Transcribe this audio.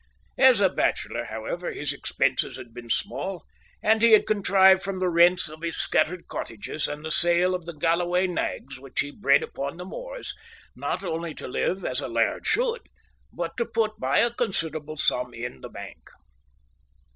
As a bachelor, however, his expenses had been small, and he had contrived from the rents of his scattered cottages, and the sale of the Galloway nags, which he bred upon the moors, not only to live as a laird should, but to put by a considerable sum in the bank.